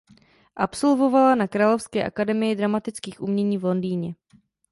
Absolvovala na Královské akademii dramatických umění v Londýně.